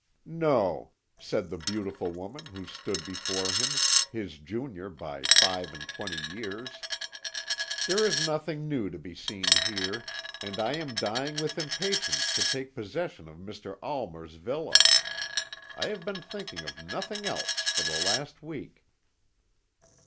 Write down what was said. "No," said the beautiful woman who stood before him, his junior by five and twenty years; "there is nothing new to be seen here, and I am dying with impatience to take possession of Mr. Almer's villa. I have been thinking of nothing else for the last week."